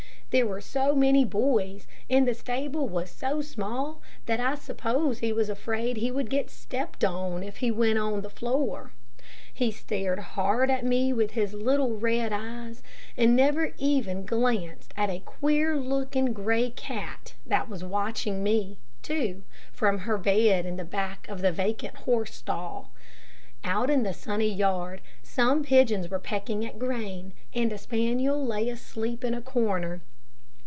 There were so many boys, and the stable was so small, that I suppose he was afraid he would get stepped on if he went on the floor. He stared hard at me with his little, red eyes, and never even glanced at a queer looking, gray cat that was watching me, too, from her bed in the back of the vacant horse stall. Out in the sunny yard, some pigeons were pecking at grain, and a spaniel lay asleep in a corner.